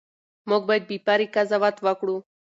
موږ باید بې پرې قضاوت وکړو.